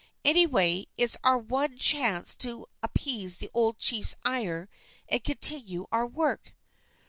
Anyway, it's our one chance to appease the old chief's ire and continue our work."